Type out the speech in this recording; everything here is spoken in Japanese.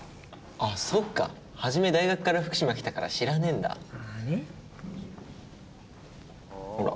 あそっかはじめ大学から福島来たから知らねえんだほら